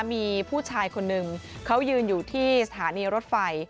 มีผู้ชายคนหนึ่งเขายืนอยู่ที่สถานีรถไฟ